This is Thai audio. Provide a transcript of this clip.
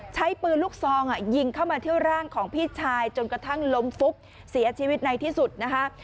ใช้ปืนลูกซองยิงเข้ามาเที่ยวร่างของพี่ชายจนกระทั่งล้มฟุบเสียชีวิตในที่สุดนะคะ